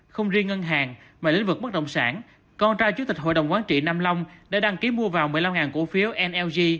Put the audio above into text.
không riêng ngân hàng mà lĩnh vực bất động sản con trai chủ tịch hội đồng quán trị nam long đã đăng ký mua vào một mươi năm cổ phiếu nlg